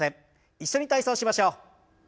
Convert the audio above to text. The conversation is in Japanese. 一緒に体操しましょう。